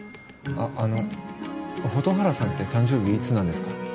あっあの蛍原さんって誕生日いつなんですか？